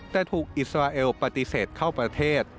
แต่ถูกอิสราเอลปฏิเสธเข้าประเทศ